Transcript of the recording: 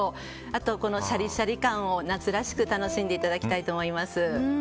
あと、シャリシャリ感を夏らしく楽しんでいただきたいと思います。